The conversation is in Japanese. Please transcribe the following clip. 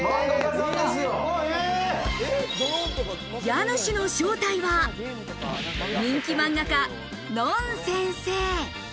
家主の正体は、人気漫画家・ＮＯＮ先生。